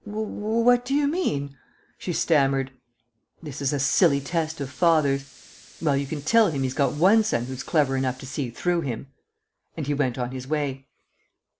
"W what do you mean?" she stammered. "This is a silly test of Father's. Well, you can tell him he's got one son who's clever enough to see through him." And he went on his way.